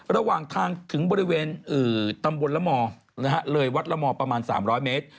ระหว่างทางถึงบริเวณตำบลละมเลยวัดละมประมาณ๓๐๐เมตร